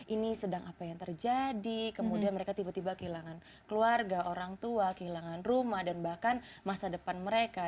ini sedang apa yang terjadi kemudian mereka tiba tiba kehilangan keluarga orang tua kehilangan rumah dan bahkan masa depan mereka